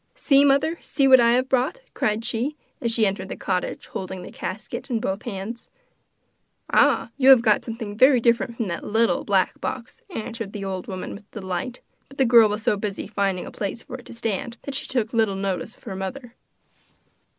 'See, mother, see what I have brought!' cried she, as she entered the cottage holding the casket in both hands. 'Ah! you have got something very different from that little black box,' answered the old woman with delight. But the girl was so busy finding a place for it to stand that she took little notice of her mother.